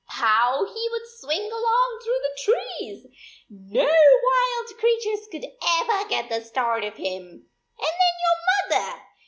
How he could swing along through the trees ! No wild creatures could ever get the start of him. And then your mother